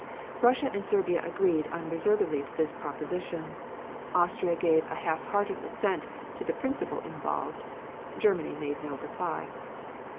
Russia and Serbia agreed unreservedly to this proposition. Austria gave a half hearted assent to the principle involved. Germany made no reply.